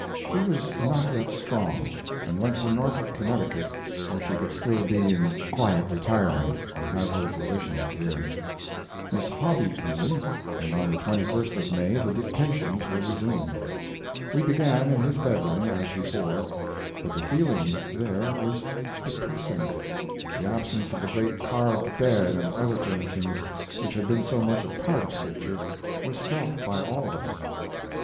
She was not yet strong, and went to Norfolk, Connecticut, where she could still be in quiet retirement and have her physician's care. Miss Hobby came, and on the 21st of May the dictations were resumed. We began in his bedroom, as before, but the feeling there was depressing the absence of the great carved bed and other furnishings, which had been so much a part of the picture, was felt by all of us.